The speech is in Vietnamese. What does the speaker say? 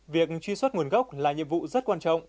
việc truy xuất nguồn gốc là nhiệm vụ rất quan trọng